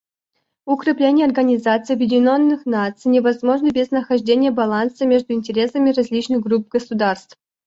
Укрепление Организации Объединенных Наций невозможно без нахождения баланса между интересами различных групп государств.